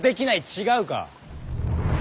違うか？